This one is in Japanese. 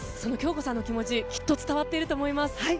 その京子さんの気持ちきっと伝わっていると思います。